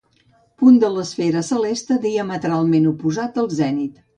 Punt de l'esfera celeste diametralment oposat al zenit.